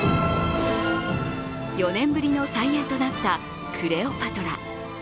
４年ぶりの再演となった「クレオパトラ」。